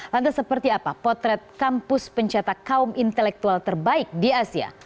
lantas seperti apa potret kampus pencetak kaum intelektual terbaik di asia